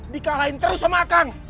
dikalain terus sama akang